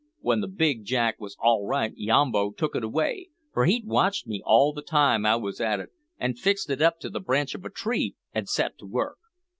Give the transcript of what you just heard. W'en the big jack wos all right Yambo took it away, for he'd watched me all the time I wos at it, an' fixed it up to the branch of a tree an' set to work.